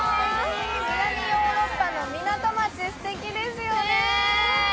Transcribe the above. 南ヨーロッパの港町、すてきですよね。